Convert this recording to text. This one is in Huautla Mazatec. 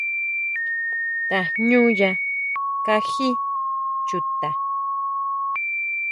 Tajñuña kají chuta.